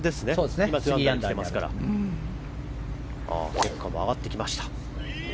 ケプカも上がってきました。